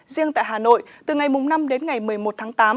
riêng tại hà nội từ ngày năm đến ngày một mươi một tháng tám